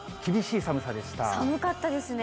寒かったですね。